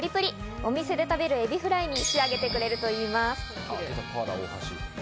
お店で食べるエビフライに仕上げてくれるといいます。